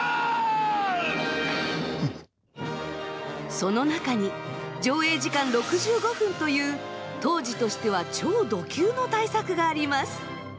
その中に上映時間６５分という当時としては超ど級の大作があります。